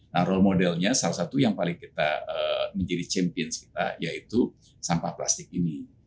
nah role modelnya salah satu yang paling kita menjadi champions kita yaitu sampah plastik ini